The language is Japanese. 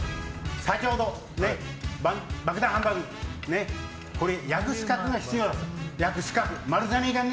先ほど爆弾ハンバーグ焼く資格が必要だと。